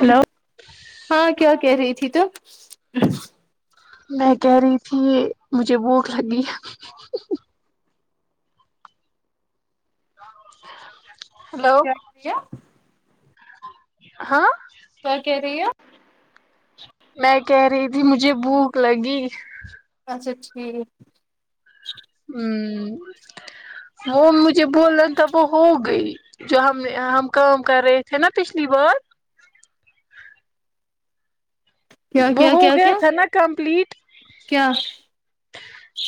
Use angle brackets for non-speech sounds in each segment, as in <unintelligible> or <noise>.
hello ہاں کیا کہہ رہی تھی تم میں کہہ رہی تھی یہ مجھے بھوک لگی ہے ہلو یا ہاں کیا کہہ رہی ہو میں کہہ رہی تھی مجھے بھوک لگی اچھا ٹھیک ہوں وہ مجھے بولا تھا وہ ہو گئی جو ہم ہم کام کر رہے تھے نا پچھلی بار کیا وہ کیا ہو کیا گیا کیا تھا نا کمپلیٹ کیا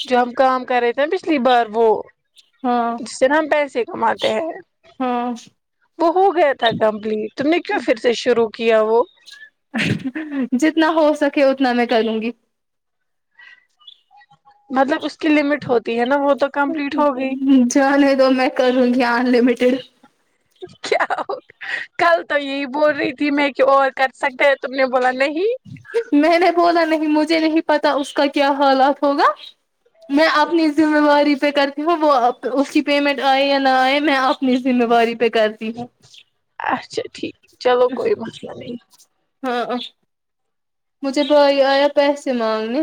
جو ہم کام کر رہے تھے نا پچھلی بار وہ ہاں جس سے نا ہم پیسے کماتے ہیں ہاں وہ ہو گیا تھا کمپلیٹ تم نے کیوں پھر سے شروع کیا وہ جتنا ہو سکے اتنا میں کروں گی مطلب اس کی لمٹ ہوتی ہے نا وہ تو کمپلیٹ ہو گئی جانے دو میں کروں گی ان لمیٹیڈ کیا ہوگیا کل تو یہی بول رہی تھی میں کہ اور کر سکتا تم نے بولا نہیں میں نے بولا نہیں مجھے نہیں پتا اس کا کیا حالات ہوگا میں اپنی ذمہ داری پہ کرتی ہوں وہ اس کی پیمنٹ آئے یا نہ آئے میں آپ اپنی ذمہ واری پہ کر اچھا ٹھیک چلو کوئی مسلہ نہیں ہاں ا مجھے بھائی آیا پیسے مانگنے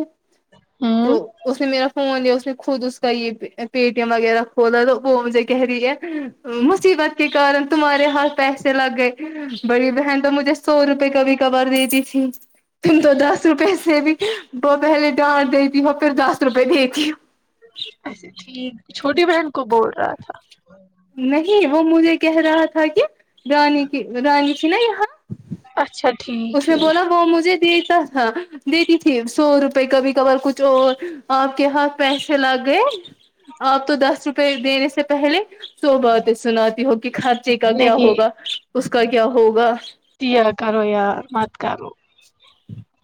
تو ہوں اس نے میرا فون لیا اس نے خود اس کا یہ پے ٹی ایم وغیرہ کھولا تو وہ مجھے کہہ رہی ہے مصیبت کے کارن تمہارے ہاتھ پیسے لگ گئے بڑی بہن تو مجھے سو روپئے کبھی کبھار دیتی تھی تم تو دس روپے سے بھی وہ پہلے ڈانٹ دیتی ہو پھر دس روپئے دیتی ہو ایسے ٹھیک چھوٹی بہن کو بول رہا تھا نہیں وہ مجھے کہہ رہا تھا کہ رانی کی رانی تھی نا یہاں اچھا ٹھیک اس نے ٹھیک بولا وہ مجھے دیتا ہاں دیتی تھی سو روپئے کبھی کبھار کچھ اور آپ کے ہاتھ پیسے لگ گئے آپ تو دس روپئے دینے سے پہلے سو باتیں سناتی ہو گی خرچے کا کیا نہیں ہوگا اس کا کیا ہوگا <unintelligible> کرو یار مت کرو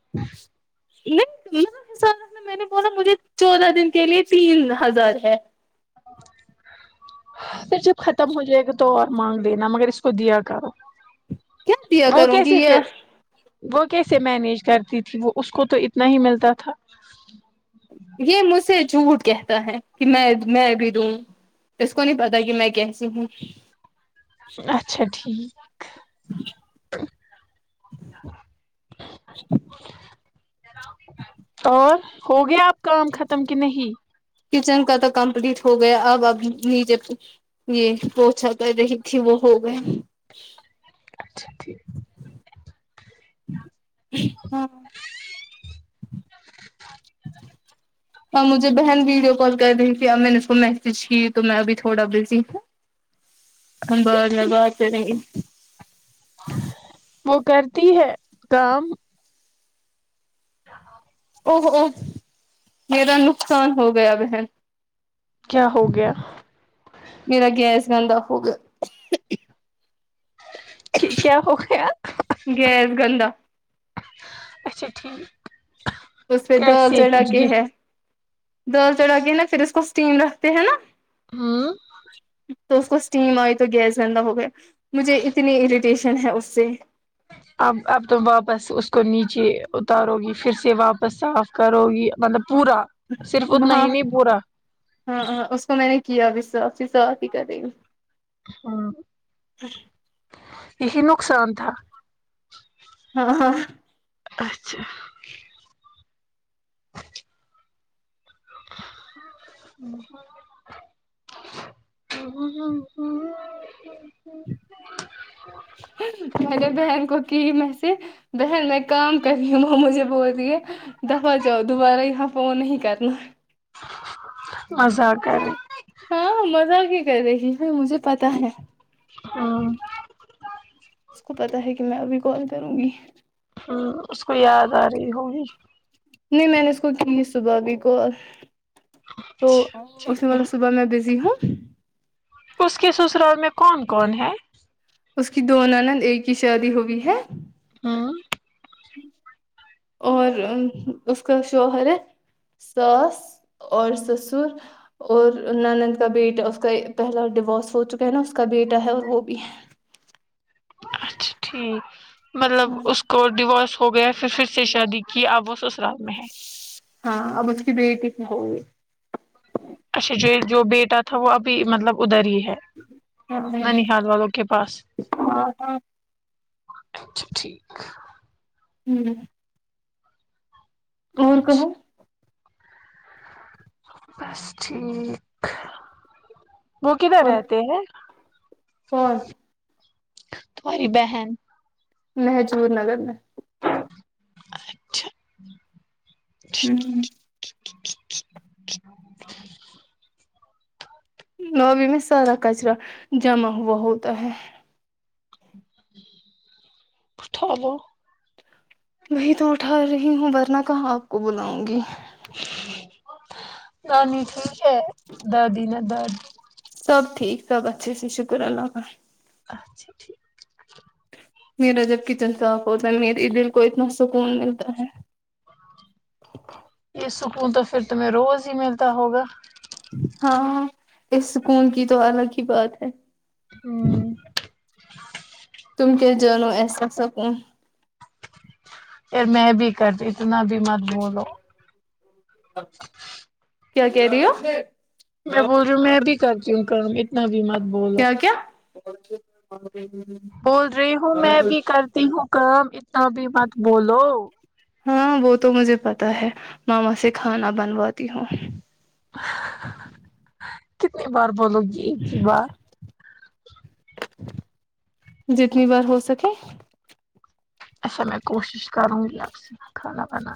<inaudible> نہیں <unintelligible> حساب رکھنا میں نے بولا مجھے چودہ دن کے لیے تین ہزار ہے پر جب ختم ہو جائے گا تو اور مانگ لینا مگر اس کو دیا کرو کیا دیا وہ کروں گی کیسے تھے یہ وہ کیسے مینیج کرتی تھی وہ اس کو تو اتنا ہی ملتا تھا یہ مجھ سے جھوٹ کہتا ہے کہ میں میں بھی دوں اس کو نہیں پتا کہ میں کیسی ہوں اچھا ٹھیک <inaudible> <unintelligible> اور ہو گیا اب کام ختم کہ نہیں کچن کا تو کمپلیٹ ہو گیا اب اب نیچے یہ ہوچاتا ہے دیکھیں کہ وہ ہو گیا اچھا ٹھیک ہاں اور مجھے بہن ویڈیو کال کر رہی تھی اب میں نے اس کو میسج کی تو میں ابھی تھوڑا بزی ہوں ہم بعد میں بات کرے گے وہ کرتی ہے کام <unintelligible> او او میرا نقصان ہو گیا بہن کیا ہو گیا میرا گیس بند ہوگیا ک کیا ہو گیا گیس گندا اچھا ٹھیک اس پہ دال کیسے چڑھا کچھ کے ہے گفٹ دال چڑھا کے نا پھر اس کو اسٹیم رکھتے ہیں نا ہوں تو اس کو اسٹیم آئی تو گیس گندہ ہو گیا مجھے اتنی اریٹیشن ہے اس سے اب اب تم واپس اس کو نیچے اتارو گی پھر سے واپس صاف کرو گی مطلب پورا صرف اتنا وہاں ہی نہیں پورا ہاں ہاں اس کو میں نے کیا بھی صاف صاف ہی کر رہی ہوں ہاں <inaudible> اسے نقصان تھا ہاں ہاں اچھا <inaudible> <inaudible> میں نے بہن کو کی میں سے بہن میں کام کر رہی ہوں وہ مجھے بول رہی ہے دفع جاؤ دوبارہ یہاں فون نہیں کرنا مزاق کریں ہاں مذاق ہی کر رہے ہوں مجھے پتا ہے ہاں اس کو پتا ہے کہ میں ابھی کال کروں گی ہاں اس کو یاد آ رہی ہوگی نہیں میں نے اس کو کی نہیں صبح بھی کال تو ٹھیک اس میں ہے مطلب صبح میں بزی ہوں اس کے سسرال میں کون کون ہے اس کی دو نند ایک کی شادی ہو گئی ہے ہوں اور اس کا شوہر ہے ساس اور سسر اور نند کا بیٹا اس کا پہلا ڈیورس ہو چکا ہے نا اس کا بیٹا ہے اور وہ بھی <inaudible> اچھا ٹھیک مطلب اس کو ڈیورس ہو گیا پھر پھر سے شادی کی اب وہ سسرال میں ہے ہاں اب اس کی بیٹی بھی ہوئے اچھا جو جو بیٹا تھا وہ ابھی مطلب ادھر ہی ہے نانیال والوں کے پاس اچھا ٹھیک ہوں اور کہو بس ٹھیک وہ کدھر اور رہتے ہیں کون تمہاری بہن مجور نگر میں میں <inaudible> <inaudible> لوبی میں سارا کچرا جمع ہوا ہوتا ہے اٹھالو وہی تو اٹھا رہی ہوں ورنہ کہاں آپ کو بلاؤں گی نانی ہے دادی نہ دادی سب ٹھیک سب اچھے سے شکر اللہ کا اچھا ٹھیک میرا جب کچن صاف ہوتا ہے میرے دل کو اتنا سکون ملتا ہے یہ سکون تو پھر تمہیں روز ہی ملتا ہوگا ہاں اس سکون کی تو الگ ہی بات ہے ہممم تم کیا جانو ایسا سکون پھر میں بھی کرتی اتنا بھی مت بولو کیا کہہ رہی ہو میں بول رہی ہوں میں بھی کرتی ہوں گھر میں کیا کیا بول رہی ہوں میں بھی کرتی ہوں کام اتنا بھی مت بولو ہاں وہ تو مجھے پتا ہے ماما سے کھانا بنواتی ہوں کتنی بار بولو گی ایک ہی بات جتنی بار ہو سکے اچھا میں کوشش کروں گی اب سے کھانا بنانا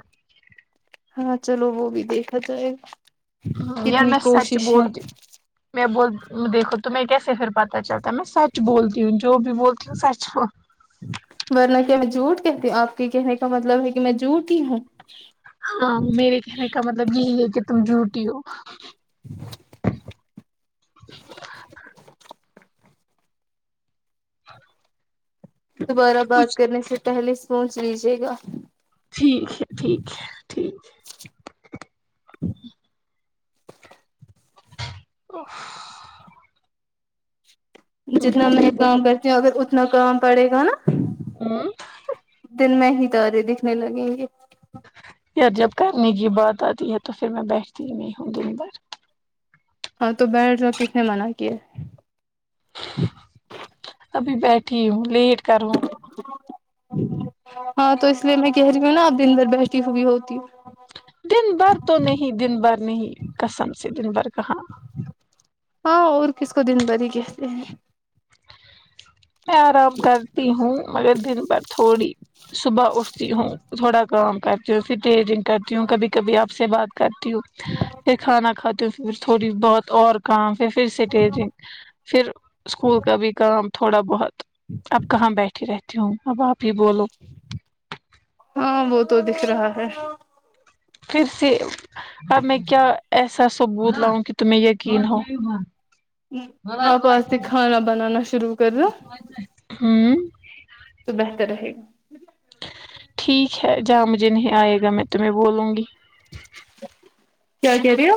ہاں چلو وہ بھی دیکھا جائے گا یار کتنی میں سچ کوشش بول ہے تی میں بول دیکھو تمہیں کیسے پھر پتا چلتا ہے میں سچ بولتی ہوں جو بھی بولتی ہوں سچ ورنہ کیا میں جھوٹ کہتی ہوں آپ کے کہنے کا مطلب ہے کہ میں جھوٹی ہوں ہاں میرے کہنے کا مطلب یہی ہے کہ تم جھوٹی ہو دوبارہ بات کچھ کرنے سے پہلے سوچ لیجیے گا ٹھیک ہے ٹھیک ہے ٹھیک ہے اف جتنا گرمی میں کام بہت ہے کرتی ہوں اگر اتنا کام پڑے گا نہ ہاں دن میں ہی تارے دکھنے لگیں گے یار جب کرنے کی بات آتی ہے تو پھر میں بیٹھتی نہیں ہوں دن بھر ہاں تو بیٹھ جاؤ کس نے منع کیاہے ابھی بیٹھی ہوں لیٹ کروں ہاں تو اس لیے میں کہہ رہی ہوں نا اپ دن بھر بیٹھی ہوئی ہوتی دن بھر تو نہیں دن بھر نہیں قسم سے دن بھر کہاں ہاں اور کس کو دن بھرہی کہتے ہیں میں آرام کرتی ہوں مگر دن بھر تھوڑی صبح اٹ تی ہوں تھوڑا کام کرتی ہوں پھر ٹیلرنگ کرتی ہوں کبھی کبھی آپ سے بات کرتی ہوں پھر کھانا کھاتے پھر تھوڑی بہت اور کام پھر سے ٹریننگ پھر اسکول کا بھی کام تھوڑا بہت اب کہاں بیٹھی رہتی ہاں اب آپ یے بولو ہاں وہ تو دکھ رہا ہے پھر سے اب میں کیا ایسا ثبوت لاؤں کہ تمہیں یقین ہو آپ آج سے کھانا بنانا شروع کررہے ہو ہممم تو بہتر رہے گا ٹھیک ہے جہاں مجھے نہیں آئے گا میں تمہیں بولوں گی کیا کہہ رہی ہو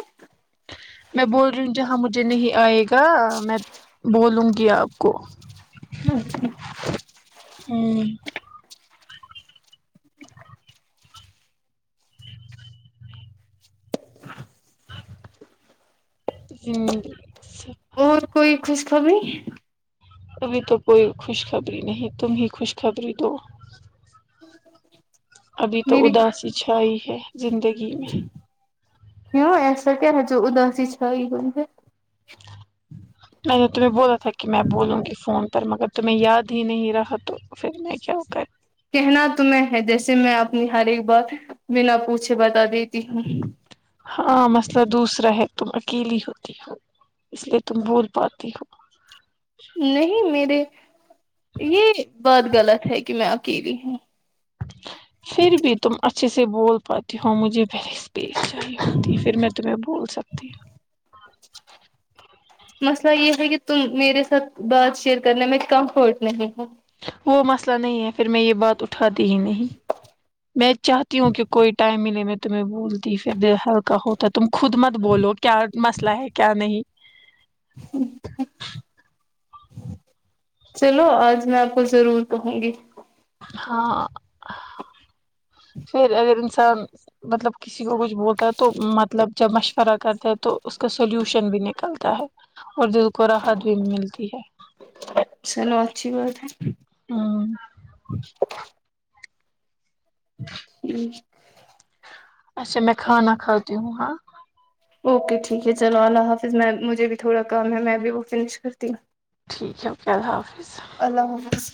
میں بول رہی ہوں جہاں مجھے نہیں آئے گا میں بولوں گی آپ کو اچھا ہوں ہوں اور کوئی خوشخبری ابھی تو کوئی خوش خبری نہیں تم ہی خوش خبری دو <inaudible> ابھی تو میری اداسی چھائی ہے زندگی میں کیوں ایسا کیا ہو رہا جو اداسی چھائی ہوئی ہے نہیں تمیں بولا تھا کہ میں بولوں گی فون پر مگر تمھیں یاد ہی نہیں رہا تو پھر میں کیا کر کہنا تمہں ہے جیسے میں اپنی ہر ایک بات بنا پوچھے بتا دیتی ہوں ہاں مسئلہ دوسرا ہے تم اکیلی ہوتی ہو اس لیے تم بول پاتی ہو نہیں میرے یہ بات غلط ہے کہ میں اکیلی ہوں پھر بھی تم اچھے سے بول پاتی ہو مجھے بہ پی صاہی ہوتی پھر میں تمہیں بول سکتی <inaudible> مسئلہ یہ ہے کہ تم میرے ساتھ بات شیئر کرنے میں کمفرٹ نہیں ہو وہ مسئلہ نہیں ہے پھر میں یہ بات اٹھاتی ہی نہیں میں چاہتی ہوں کہ کوئی ٹائم ملے میں تمہیں بولتی پھر دل ہلکا ہوتا ہے تم خود مت بولو کیا مسئلہ ہے کیا نہیں <inaudible> چلو آج میں آپ کو ضرور کہوں گی ہاں پھر اگر انسان مطلب کسی کو کچھ بولتا ہے تو مطلب جب مشورہ کرتا ہے تو اس کا سولوشن بھی نکلتا ہے اور دل کو راحت بھی ملتی ہے چلو اچھی بات ہے ہوں <inaudible> اچھا میں کھانا کھاتی ہوں ہاں اوکے ٹھیک ہے چلو اللہ حافظ میں مجھے بھی تھوڑا کام ہے میں بھی وہ فنش کرتی ہوں ٹھیک ہے اوکے اللہ حافظ اللہ حافظ